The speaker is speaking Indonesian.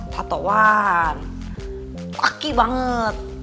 tatowan laki banget